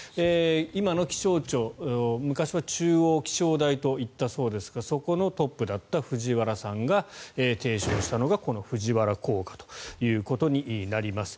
今の気象庁、昔は中央気象台といったそうですがそこのトップだった藤原さんが提唱したのがこの藤原効果となります。